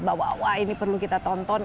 bahwa wah ini perlu kita tonton